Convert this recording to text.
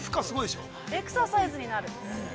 エクササイズになる。